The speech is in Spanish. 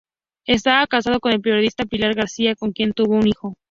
Estaba casado con la periodista Pilar García Muñiz, con quien tuvo un hijo.